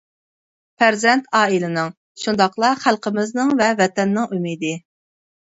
پەرزەنت ئائىلىنىڭ شۇنداقلا خەلقىمىزنىڭ ۋە ۋەتەننىڭ ئۈمىدى.